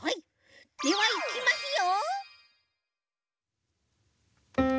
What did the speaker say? ではいきますよ！